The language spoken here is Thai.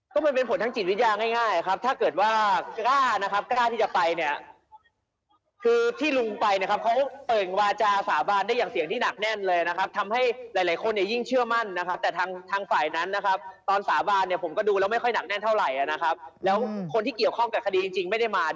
ก็มันเป็นผลทางจิตวิทยาง่ายครับถ้าเกิดว่ากล้านะครับกล้าที่จะไปเนี่ยคือที่ลุงไปนะครับเขาเปิ่งวาจาสาบานได้อย่างเสียงที่หนักแน่นเลยนะครับทำให้หลายคนเนี่ยยิ่งเชื่อมั่นนะครับแต่ทางฝ่ายนั้นนะครับตอนสาบานเนี่ยผมก็ดูแล้วไม่ค่อยหนักแน่นเท่าไหร่นะครับแล้วคนที่เกี่ยวข้องกับคดีจริงไม่ได้มา